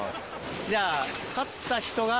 じゃあ勝った人が舟。